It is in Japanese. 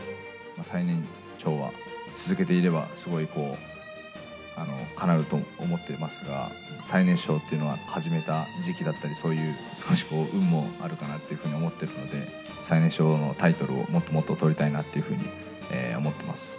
最年長は、続けていれば、すごい、かなうと思っていますが、最年少っていうのは始めた時期だったり、そういう、少し運もあるかなっていうふうに思っているので、最年少のタイトルをもっともっと取りたいなっていうふうに思っています。